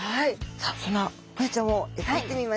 さあそんなホヤちゃんを描いてみました。